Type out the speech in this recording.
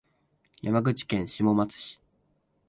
山口県下松市